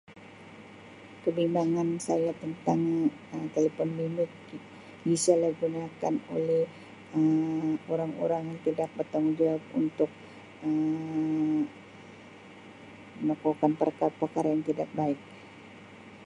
Kebimbangan saya tentang Um telipon bimbit disalahgunakan oleh Um orang-orang terdapat tanggungjawab untuk Um melakukan perkara-perkara yang tidak baik.